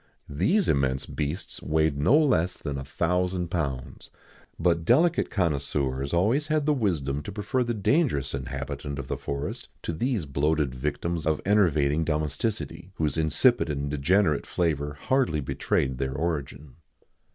These immense beasts weighed no less than a thousand pounds.[XIX 77] But delicate connoisseurs had always the wisdom to prefer the dangerous inhabitant of the forest to these bloated victims of enervating domesticity,[XIX 78] whose insipid and degenerate flavour hardly betrayed their origin.